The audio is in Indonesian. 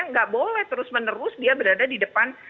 nggak boleh terus menerus dia berada di depan